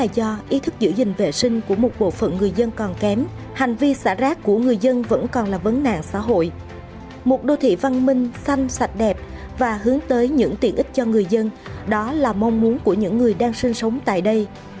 một đô thị văn minh xanh sạch đẹp và hướng tới những tiện ích cho người dân đó là mong muốn của những người đang sinh sống tại đây